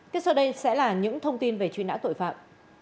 tiếp sau đây sẽ là những thông tin về truy nã tội phạm